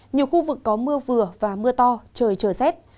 nhiều khu vực có mưa vừa và mưa to trời trở rét